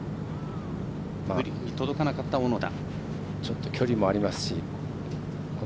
グリーンに届かなかった小野田。